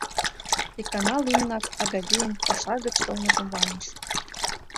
Икана лӱмынак Агавийын паша гыч толмыжым ваҥыш.